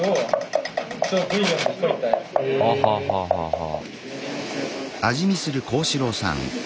はあはあはあはあ。